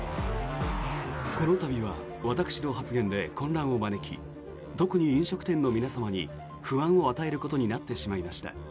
この度は私の発言で混乱を招き特に飲食店の皆様に不安を与えることになってしまいました。